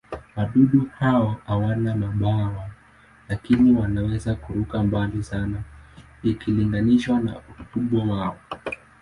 Wadudu hao hawana mabawa, lakini wanaweza kuruka mbali sana ikilinganishwa na ukubwa wao.